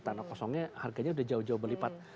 tanah kosongnya harganya udah jauh jauh berlipat